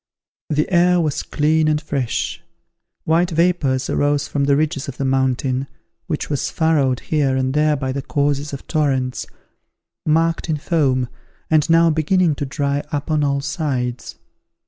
The air was clear and fresh: white vapours arose from the ridges of the mountain, which was furrowed here and there by the courses of torrents, marked in foam, and now beginning to dry up on all sides.